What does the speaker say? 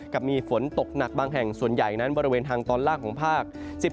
กับมีฝนตกหนักบางแห่งส่วนใหญ่นั้นบริเวณทางตอนล่างของภาค